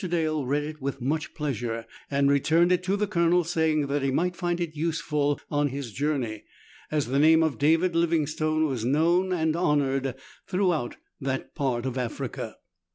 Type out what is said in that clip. Dale read it with much pleasure, and returned it to the Colonel, saying that he might find it useful on his journey, as the name of David Livingstone was known and honoured throughout that part of Africa.